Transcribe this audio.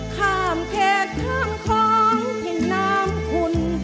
ข้ามเขตข้างคล้องที่น้ำคุณ